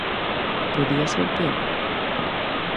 Podía ser peor?